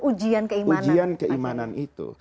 ujian keimanan ujian keimanan itu